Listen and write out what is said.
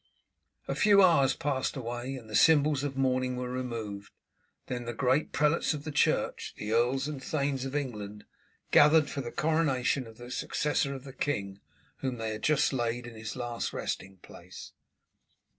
A few hours passed away and the symbols of mourning were removed. Then the great prelates of the church, the earls and the thanes of England, gathered for the coronation of the successor of the king whom they had just laid in his last resting place.